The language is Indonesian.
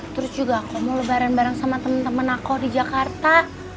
terus juga kamu mau lebaran bareng sama temen temen aku di jakarta